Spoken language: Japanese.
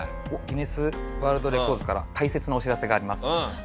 「ギネスワールドレコーズから大切なお知らせがあります」。